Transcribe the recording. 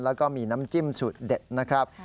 แล้วก็มีน้ำจิ้มสูตรเด็ดนะครับ